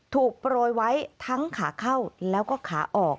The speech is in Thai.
โปรยไว้ทั้งขาเข้าแล้วก็ขาออก